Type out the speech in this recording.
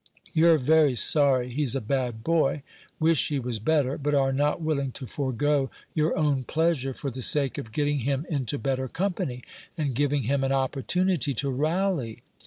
"You're very sorry he's a bad boy; wish he was better; but are not willing to forego your own pleasure for the sake of getting him into better company, and giving him an opportunity to rally.